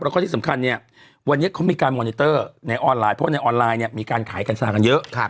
แล้วก็ที่สำคัญเนี่ยวันนี้เขามีการมอนิเตอร์ในออนไลน์เพราะว่าในออนไลน์เนี่ยมีการขายกัญชากันเยอะ